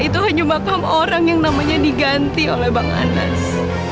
itu hanya makam orang yang namanya diganti oleh bang anas